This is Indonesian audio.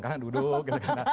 karena duduk gitu kan